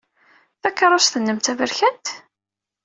Takeṛṛust-nnem d taberkant?